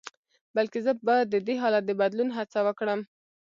بلکې زه به د دې حالت د بدلون هڅه وکړم.